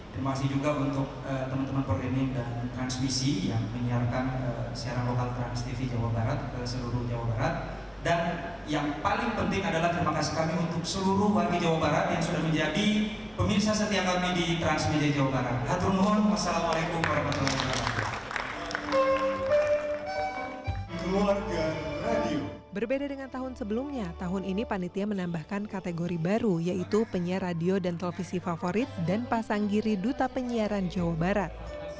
terima kasih juga untuk teman teman programming dan transmisi yang menyiarkan siaran lokal transtv jawa barat ke seluruh jawa barat